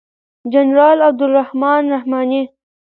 جنرال عبدالرحمن رحماني